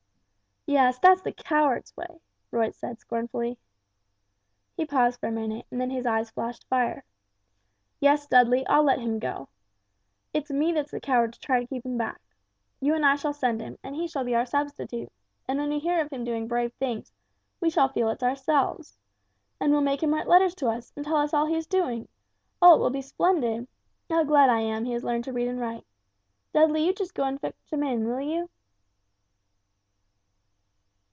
"Yes, that is the coward's way," Roy said, scornfully. He paused for a minute, and then his eyes flashed fire. "Yes, Dudley, I'll let him go. It's me that's the coward to try and keep him back! You and I shall send him, and he shall be our substitute, and when we hear of him doing brave things, we shall feel it's ourselves. And we'll make him write letters to us and tell us all he is doing oh, it will be splendid. How glad I am he has learned to read and write. Dudley, you just go and fetch him in, will you?"